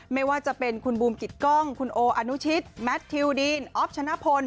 ไม่ว่าจะเป็นคุณบูมกิตกล้องคุณโออนุชิตแมททิวดีนออฟชนะพล